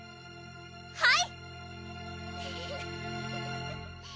はい！